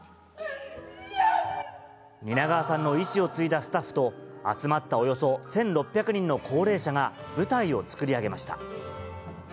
蜷川さんの遺志を継いだスタッフと、集まったおよそ１６００人の高齢者が、舞台を作り上げました。